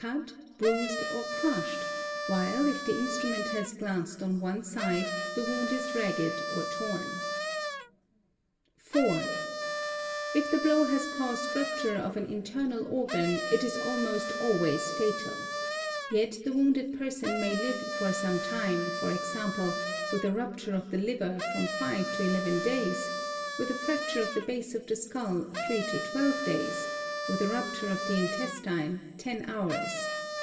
sut, bruised, or crushed, while if the instrument has.glanced on one side, the wound is ragged or torn. 4, If the blow has caused rupture of an internal organ, it is almost senses 1 EIST LAE ITER SAY MINE ESS MES SMELT IY . ilways fatal. Yet the wounded person may live for some time, for xample, with a rupture of the liver from five to eleven days—with a Tracture of the base of the skull, three to twelve days—with a rupture of the intestine, ten hours.